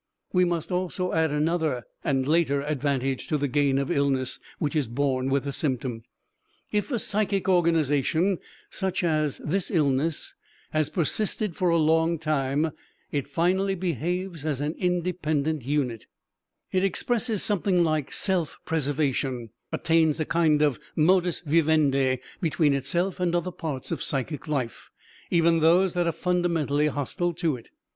We must also add another and later advantage to the gain of illness which is born with the symptom. If a psychic organization, such as this illness, has persisted for a long time, it finally behaves as an independent unit, it expresses something like self preservation, attains a kind of modus vivendi between itself and other parts of psychic life, even those that are fundamentally hostile to it.